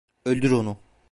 Öldür onu.